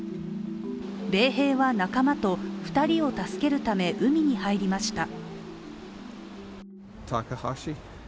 米兵は仲間と２人を助けるため海に入りました。